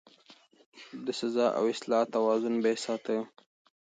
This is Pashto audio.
د سزا او اصلاح توازن يې ساته.